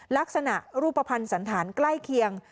ลักษณะรูปภัณฑ์สันธารใกล้เคียง